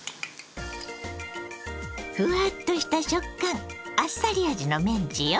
ふわっとした食感あっさり味のメンチよ。